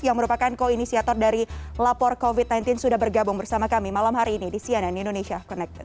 yang merupakan koinisiator dari lapor covid sembilan belas sudah bergabung bersama kami malam hari ini di cnn indonesia connected